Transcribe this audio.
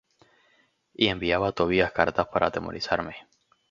Y enviaba Tobías cartas para atemorizarme.